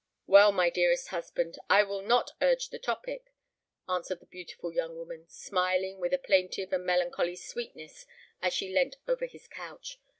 "Well, my dearest husband, I will not urge the topic," answered the beautiful young woman, smiling with a plaintive and melancholy sweetness as she leant over his couch.